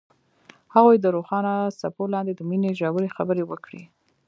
هغوی د روښانه څپو لاندې د مینې ژورې خبرې وکړې.